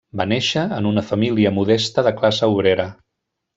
Va néixer en una família modesta de classe obrera.